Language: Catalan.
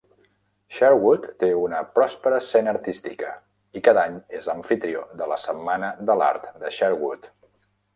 Sherwood té una pròspera escena artística i cada any és amfitrió de la Setmana de l'Art de Sherwood.